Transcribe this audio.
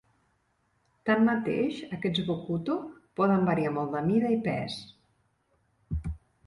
Tanmateix, aquests bokuto poden variar molt de mida i pes.